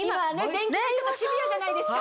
電気代とかシビアじゃないですか。